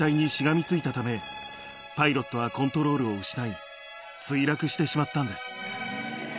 パイロットはコントロールを失い墜落してしまったんです。